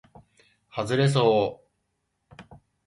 はずれそう